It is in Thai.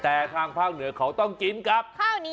แต่ทางฝั่งเหนือเค้าต้องกินกับ